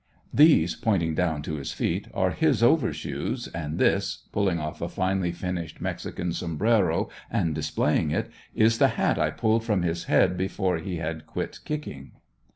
'These,' pointing down to his feet, 'are his over shoes, and this' pulling off a finely finished mexican sombraro and displaying it, "is the hat I pulled from his head before he had quit kicking."